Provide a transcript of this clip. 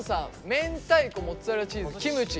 「明太子モッツァレラチーズキムチ」。